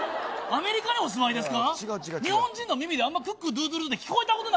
アメリカにお住まいですか？